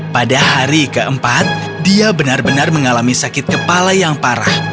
pada hari keempat dia benar benar mengalami sakit kepala yang parah